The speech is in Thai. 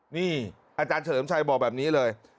นี่อาจารย์เฉลิมชัยบอกแบบนี้เลย